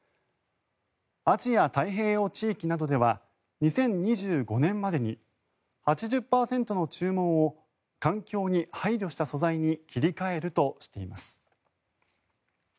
アジア太平洋地域などでは２０２５年までに８０％の注文を環境に配慮した素材に切り替えるとしています。